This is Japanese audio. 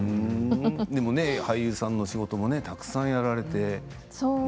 でも俳優さんの仕事もたくさんやられて。